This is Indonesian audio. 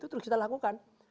itu terus kita lakukan